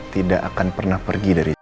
tidak akan pernah pergi dari sini